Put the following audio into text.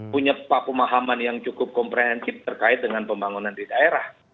punya pemahaman yang cukup komprehensif terkait dengan pembangunan di daerah